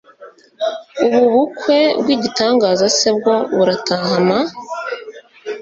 ubu bukwe bw’igitaraganya se bwo burataha ma?